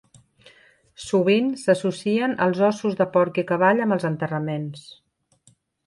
Sovint s'associen els ossos de porc i cavall amb els enterraments.